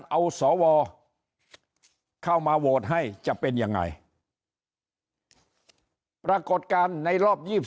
เอาสวเข้ามาโหวตให้จะเป็นยังไงปรากฏการณ์ในรอบ๒๐